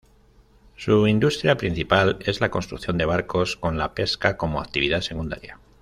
Su industria principal es la construcción de barcos, con la pesca como actividad secundaria.